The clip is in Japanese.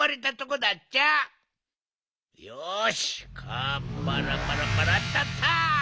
カッパラパラパラッタッタ。